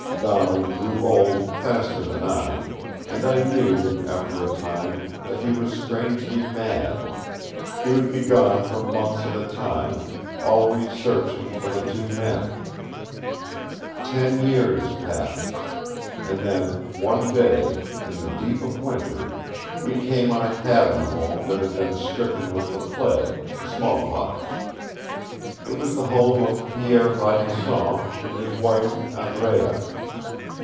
Donald grew old faster than I, and I knew, after a time, that he was strangely mad. He would be gone for months at a time, always searching for the two men. Ten years passed, and then, one day, in the deep of Winter, we came on a cabin home that had been stricken with the plague the smallpox. It was the home of Pierre Radisson and his wife Andrea.